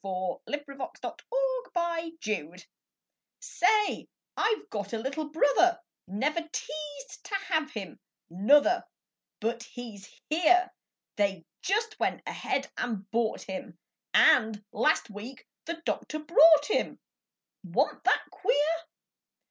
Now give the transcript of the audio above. HIS NEW BROTHER Say, I've got a little brother, Never teased to have him, nuther, But he's here; They just went ahead and bought him, And, last week the doctor brought him, Wa'n't that queer?